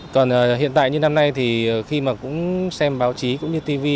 còn hiện tại như năm nay thì khi mà cũng xem báo chí cũng như tv